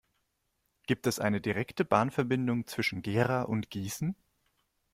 Gibt es eine direkte Bahnverbindung zwischen Gera und Gießen?